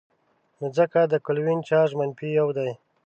نو ځکه د کلوین چارج منفي یو دی.